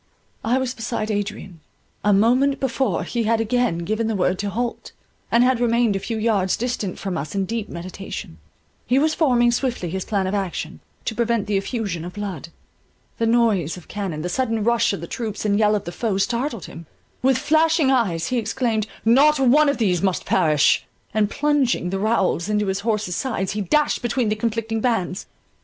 I was beside Adrian; a moment before he had again given the word to halt, and had remained a few yards distant from us in deep meditation: he was forming swiftly his plan of action, to prevent the effusion of blood; the noise of cannon, the sudden rush of the troops, and yell of the foe, startled him: with flashing eyes he exclaimed, "Not one of these must perish!" and plunging the rowels into his horse's sides, he dashed between the conflicting bands.